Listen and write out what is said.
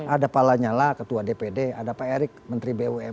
ada pak lanyala ketua dpd ada pak erick menteri bumn